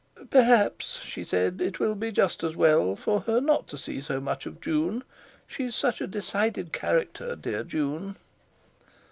"Perhaps," she said, "it will be just as well for her not to see so much of June. She's such a decided character, dear June!"